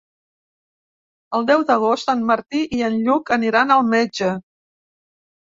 El deu d'agost en Martí i en Lluc aniran al metge.